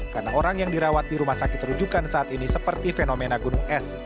karena orang yang dirawat di rumah sakit terujukan saat ini seperti fenomena gunung es